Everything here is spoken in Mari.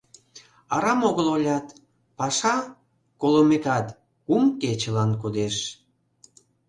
Арам огыл ойлат: паша, колымекат, кум кечылан кодеш.